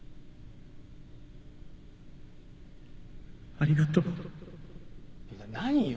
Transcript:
ありがとう。何よ。